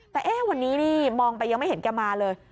แต่วันนี้นี่มองไปยังไม่เห็นแกมาเลย